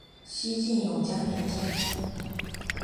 西晋永嘉四年。